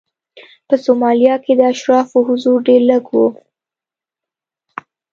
په سومالیا کې د اشرافو حضور ډېر لږ و.